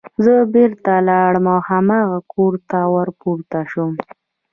زه بېرته لاړم او هماغه کور ته ور پورته شوم